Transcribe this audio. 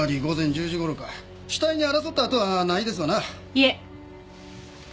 いえ。